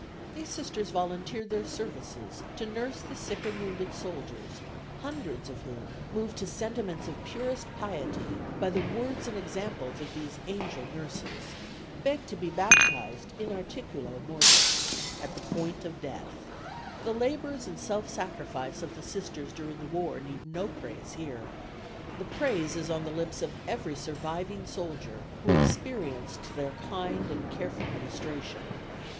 These Sisters volunteered their services to nurse the sick and the wounded soldiers, hundreds of whom, moved to sentiments of purest piety by the words and example of these angel nurses, begged to be baptized in articulo mortis at the point of death. The labors and self sacrifice of the Sisters during the war need no praise here. The praise is on the lips of every surviving soldier who experienced their kind and careful ministration.